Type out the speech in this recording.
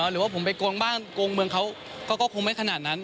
หรือว่าผมไปโกงบ้านโกงเมืองเขาก็คงไม่ขนาดนั้น